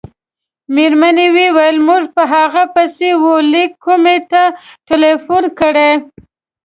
مېرمنې وویل: موږ په هغه پسې وه لېک کومو ته ټېلیفون کړی.